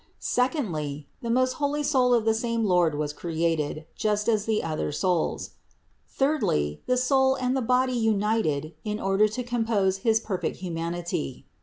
Sec ondly, the most holy soul of the same Lord was created, just as the other souls. Thirdly, the soul and the body united in order to compose his perfect humanity.